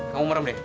kamu merem deh